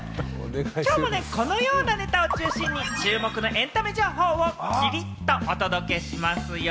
きょうもこのようなネタを中心に注目のエンタメ情報をキリっとお届けしますよ。